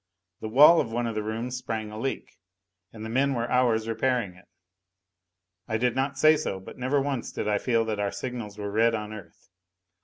The wall of one of the rooms sprang a leak, and the men were hours repairing it. I did not say so, but never once did I feel that our signals were read on Earth.